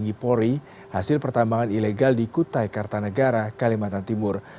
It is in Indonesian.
yang tinggi pori hasil pertambangan ilegal di kutai kartanegara kalimantan timur